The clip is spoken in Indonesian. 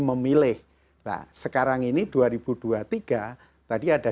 memilih nah sekarang ini dua ribu dua puluh tiga tadi ada